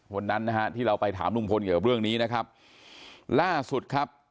วันนั้นนะฮะที่เราไปถามลุงพลเกี่ยวกับเรื่องนี้นะครับล่าสุดครับ